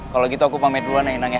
kalau gitu aku pamit duluan ya inang ya